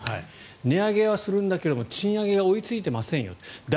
値上げはするんだけれども賃上げが追いついていませんと。